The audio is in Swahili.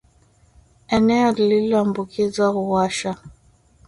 Eneo lililoambukizwa huwasha